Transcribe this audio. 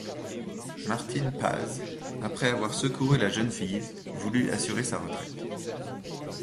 Martin Paz, après avoir secouru la jeune fille, voulut assurer sa retraite.